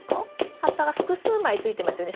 葉っぱが複数枚ついてますよね？